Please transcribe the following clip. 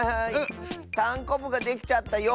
たんこぶができちゃったよ。